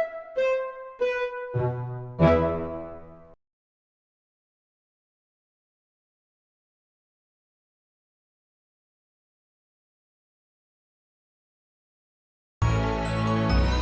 jangan lupa checks on my bawah untuk ber chapsel kira kira channel selanjutnya develop